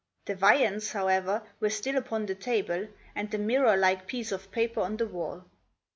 The viands, however, were still upon the table and the mirror like piece of paper on the wall.